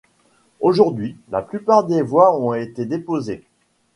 Aujourd'hui la plupart des voies ont été déposées.